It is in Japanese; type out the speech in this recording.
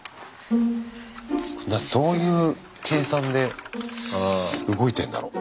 どういう計算で動いてんだろう。